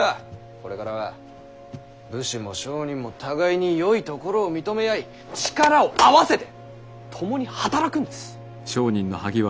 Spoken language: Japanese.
これからは武士も商人も互いによいところを認め合い力を合わせて共に働くんです。